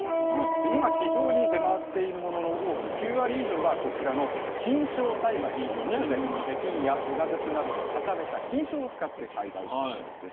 で今市場に出回っているものの多く９割以上はこちらの菌床栽培といいまして菌やおがくずなどで固めた菌床を使って栽培したものです。